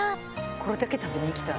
これだけ食べに行きたい。